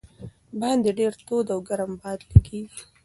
باندې ډېر تود او ګرم باد لګېږي.